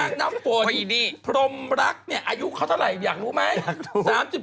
นักนับฝนพรมรักอายุเขาเท่าไหร่อยากรู้ไหม